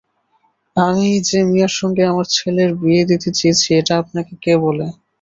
আমি যে মিয়ার সঙ্গে আমার ছেলের বিয়ে দিতে চেয়েছি, এটা আপনাকে কে বলল?